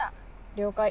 了解。